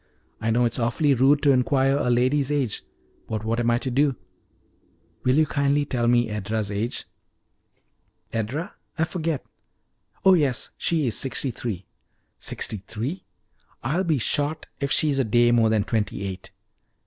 I know it is awfully rude to inquire a lady's age, but what am I to do? Will you kindly tell me Edra's age?" "Edra? I forget. Oh yes; she is sixty three." "Sixty three! I'll be shot if she's a day more than twenty eight!